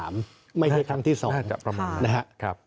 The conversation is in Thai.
ไม่ใช่ครั้งที่๒นะครับ